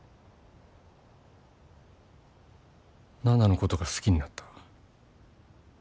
奈々のことが好きになった。